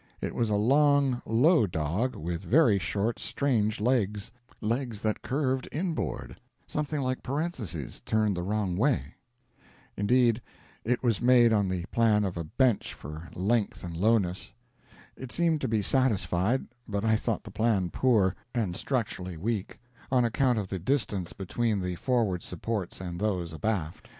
It was a long, low dog, with very short, strange legs legs that curved inboard, something like parentheses turned the wrong way (. Indeed, it was made on the plan of a bench for length and lowness. It seemed to be satisfied, but I thought the plan poor, and structurally weak, on account of the distance between the forward supports and those abaft.